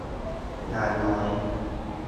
อย่างน้อย